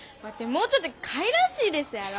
もうちょっとかいらしいですやろ。